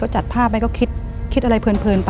ก็จัดผ้าไปก็คิดอะไรเพลิน